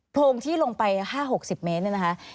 โรงที่ลงไป๕๖๐เมตรเนี่ยนะคะ